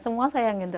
semua saya yang gini